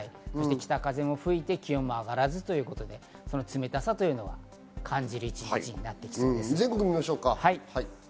北風も吹いて気温も上がらず、この冷たさというのを感じる一日になってきそうです。